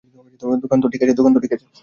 দোকান তো ঠিক আছে?